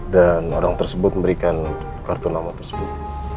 dan orang tersebut memberikan kartu nama tersebut